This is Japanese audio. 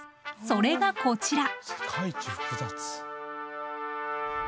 それがこちら！